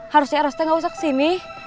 harusnya eros tuh gak usah kesini